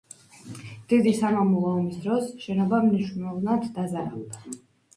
დიდი სამამულო ომის დროს შენობა მნიშვნელოვნად დაზარალდა.